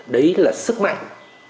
đấy là sức mạnh